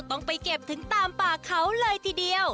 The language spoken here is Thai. ต้องไปเก็บถึงตามป่าเขาเลยทีเดียว